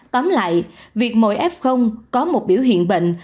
tóm lại việc mỗi f có một biểu hiện bệnh